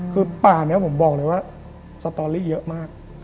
คือป่านี้ผมบอกเลยว่าสตอรี่เยอะมาก